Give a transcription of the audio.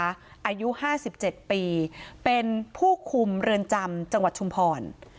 อายุ๕๗ปีเป็นผู้คุมเรือนจำจังหวัดชุมพร